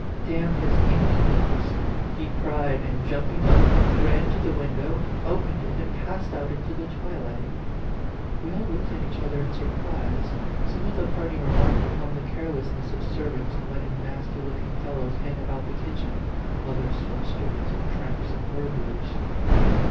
D n his impudence!" he cried, and, jump ing up, ran to the window, opened it, and passed out into the twilight. We all looked at each other in surprise ; some of the party remarked upon the carelessness of servants in letting nasty looking fellows hang about the kitchen, others told stories of tramps and burglars.